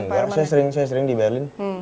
enggak saya sering di berlin